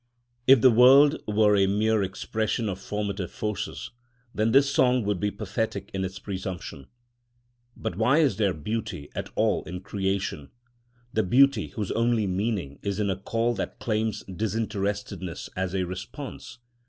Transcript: If the world were a mere expression of formative forces, then this song would be pathetic in its presumption. But why is there beauty at all in creation—the beauty whose only meaning is in a call that claims disinterestedness as a response?